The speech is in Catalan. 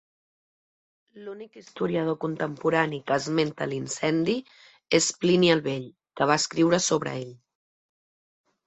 L'únic historiador contemporani que esmenta l'incendi és Plini el Vell, que va escriure sobre ell.